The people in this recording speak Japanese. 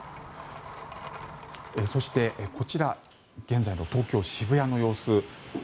そして、こちら現在の東京・渋谷の様子。